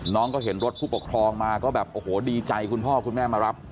น้องก็เห็นรถผู้ปกครองมาก็แบบโอ้โหดีใจคุณพ่อคุณแม่มารับ